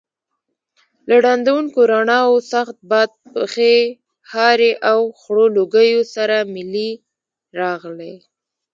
له ړندونکو رڼاوو، سخت باد، پښې هارې او خړو لوګیو سره ملې راغلې.